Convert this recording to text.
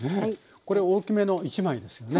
これ大きめの１枚ですよね？